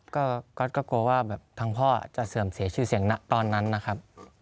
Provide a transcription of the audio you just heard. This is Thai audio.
ก็ก๊อตก็กลัวว่าแบบทางพ่อจะเสื่อมเสียชื่อเสียงตอนนั้นนะครับ